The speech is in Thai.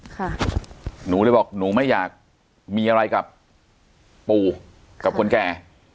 ค่ะหนูเลยบอกหนูไม่อยากมีอะไรกับปู่กับคนแก่